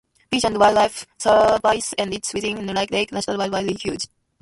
Fish and Wildlife Service and is within Medicine Lake National Wildlife Refuge.